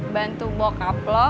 bantu bokap lo